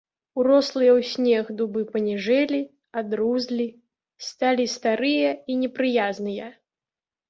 Урослыя ў снег дубы паніжэлі, адрузлі, сталі старыя і непрыязныя.